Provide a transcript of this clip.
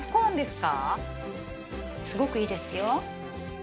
すごくいいですよ。